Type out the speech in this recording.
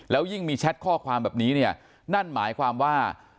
แล้วยิ่งมีแชทข้อความแบบนี้เนี่ยนั่นหมายความว่า